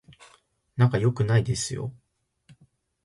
仲良くないですよ